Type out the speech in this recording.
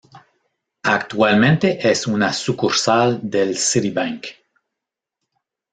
Actualmente es una sucursal del Citibank.